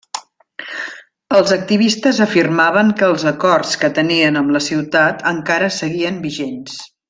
Els activistes afirmaven que els acords que tenien amb la ciutat encara seguien vigents.